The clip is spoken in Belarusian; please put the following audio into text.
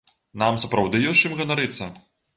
Нам сапраўды ёсць чым ганарыцца?